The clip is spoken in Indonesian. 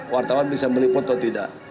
wartawan bisa meliput atau tidak